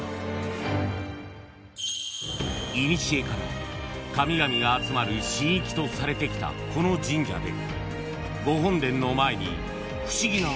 ［いにしえから神々が集まる神域とされてきたこの神社でご本殿の前に］